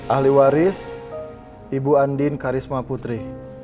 ahli waris ibu andin karisma putri